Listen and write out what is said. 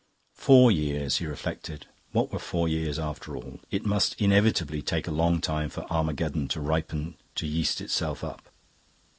Four years, he reflected; what were four years, after all? It must inevitably take a long time for Armageddon to ripen to yeast itself up.